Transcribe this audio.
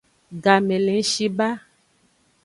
Game le ng shi ba.